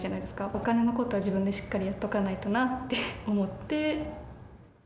お金のことは自分でしっかりやっとかないとなって思って。